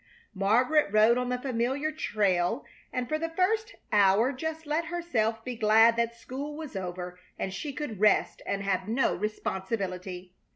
Margaret rode on the familiar trail, and for the first hour just let herself be glad that school was over and she could rest and have no responsibility.